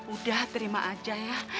udah terima aja ya